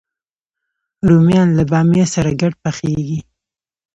رومیان له بامیه سره ګډ پخېږي